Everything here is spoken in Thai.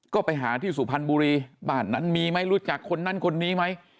ก็ไปหาที่สุพรรณบุรีบ้านนั้นมีไหมรู้จักคนนั้นคนนี้ไหม